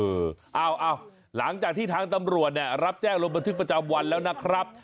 เอ้าหลังจากที่ทางตำรวจเนี่ยรับแจ้งลงบันทึกประจำวันแล้วนะครับ